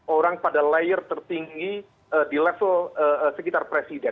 orang pada layar tertinggi di level sekitar